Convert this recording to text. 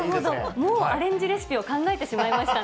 もうアレンジレシピを考えてしまいましたね。